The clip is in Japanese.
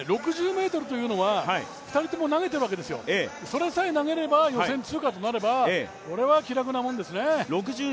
６０ｍというのは２人とも投げてるわけですよ、それさえ投げれば予選通過となればこれは気楽なもんですね。